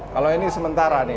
kalau ini sementara nih